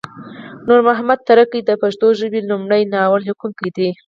نورمحمد تره کی د پښتو ژبې لمړی ناول لیکونکی دی